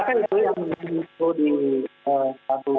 terasa itu yang dikonsumsi